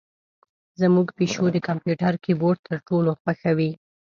زمونږ پیشو د کمپیوتر کیبورډ تر ټولو خوښوي.